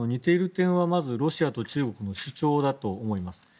似ている点はまずロシアと中国の主張だと思います。